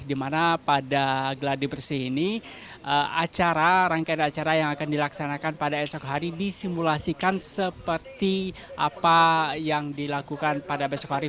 di mana pada geladi bersih ini acara rangkaian acara yang akan dilaksanakan pada esok hari disimulasikan seperti apa yang dilakukan pada besok hari